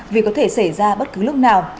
vì có thể xảy ra bất cứ lúc nào